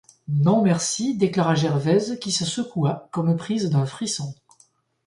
Non, merci, déclara Gervaise, qui se secoua, comme prise d'un frisson.